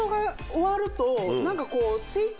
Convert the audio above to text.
何かこう。